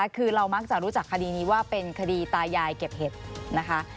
คือเรามักจะรู้จักคดีนี้ว่าเป็นคดีตายายเก็บเห็ดนะคะ